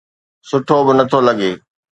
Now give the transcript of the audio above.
سٺو به نٿو لڳي.